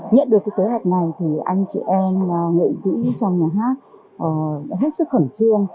nhận được kế hoạch này anh chị em nghệ sĩ trong nhà hát đã hết sức khẩn trương